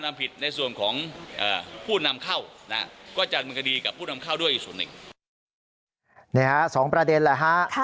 นี่ค่ะสองประเด็นเลยครับ